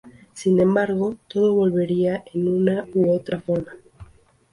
Sin embargo, todo volvería en una u otra forma.